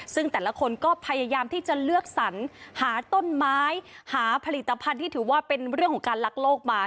ซึ่งแต่ละคนก็พยายามที่จะเลือกสรรหาต้นไม้หาผลิตภัณฑ์ที่ถือว่าเป็นเรื่องของการลักโลกมา